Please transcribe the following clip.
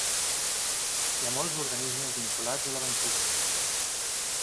Hi ha molts organismes vinculats a la banquisa.